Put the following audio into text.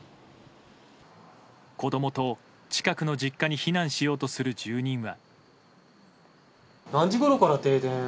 子供と、近くの実家に避難しようとする住人は。